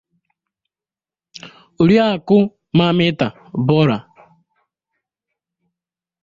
Oriakụ Mamita Bora